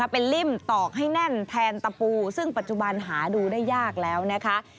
เป็นริ่มตอกให้แน่นแทนตะปูซึ่งปัจจุบันหาดูได้ยากแล้วนะคะ